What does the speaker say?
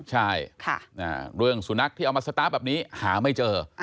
ใช่เรื่องสุนัขที่เอามาสตาร์ฟแบบนี้หาไม่เจอ